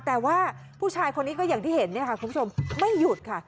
แต่ว่าผู้ชายคนนี้ก็อย่างที่เห็นเนี่ยค่ะคุณผู้ชมไม่หยุดค่ะ